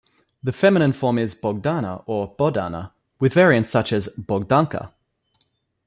The feminine form is Bogdana or Bohdana, with variants such as "Bogdanka".